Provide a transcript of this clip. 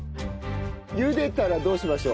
ゆでたらどうしましょう？